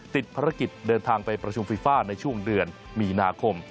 ติดภารกิจเดินทางไปประชุมฟีฟ่าในช่วงเดือนมีนาคม